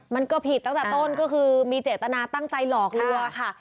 มันก็ผิดตั้งแต่ต้นก็คือมีเจตนาตั้งใจหลอกลัวค่ะ